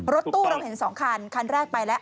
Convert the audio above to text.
รถตู้เราเห็น๒คันคันแรกไปแล้ว